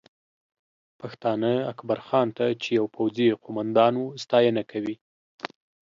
پښتانه اکبرخان ته چې یو پوځي قومندان و، ستاینه کوي